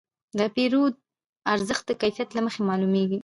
د پیرود ارزښت د کیفیت له مخې معلومېږي.